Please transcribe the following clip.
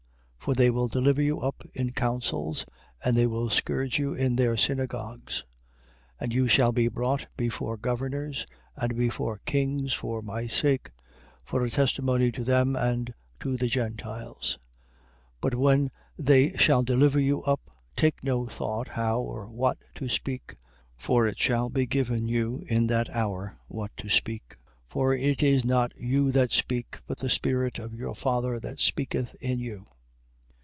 For they will deliver you up in councils, and they will scourge you in their synagogues. 10:18. And you shall be brought before governors, and before kings for my sake, for a testimony to them and to the Gentiles: 10:19. But when they shall deliver you up, take no thought how or what to speak: for it shall be given you in that hour what to speak: 10:20. For it is not you that speak, but the spirit of your Father that speaketh in you.